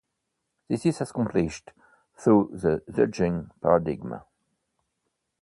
This is accomplished through the judging paradigm.